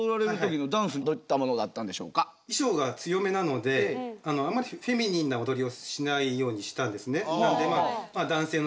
衣装が強めなのであんまりフェミニンな踊りをしないようにしたんですね。